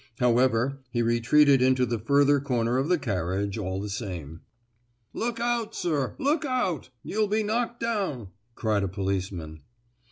However, he retreated into the further corner of the carriage, all the same. "Look out, sir, look out! You'll be knocked down!" cried a policeman.